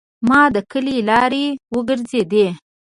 ما د کلي لارې وګرځیدې.